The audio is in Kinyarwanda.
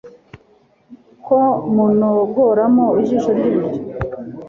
ko munogoramo ijisho ry'iburyo